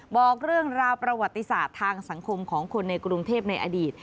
บอกเรื่องราวประวัติศาสตร์ทางสังคมของคนในกรุงเทพในอดีต